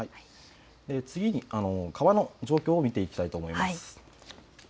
次に川の状況を見ていきたいと思います。